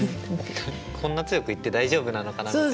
こんな強く言って大丈夫なのかなとか。